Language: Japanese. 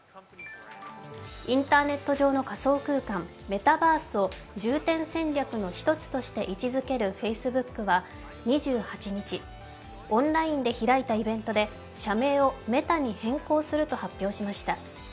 インターネット上の仮想空間メタバースを重点戦略のひとつとして位置づけるＦａｃｅｂｏｏｋは２８日、オンラインで開いたイベントで社名をメタに変更すると明らかにした。